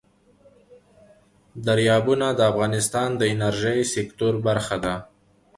دریابونه د افغانستان د انرژۍ سکتور برخه ده.